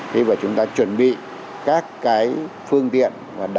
thế và chúng ta chuẩn bị các cái phương tiện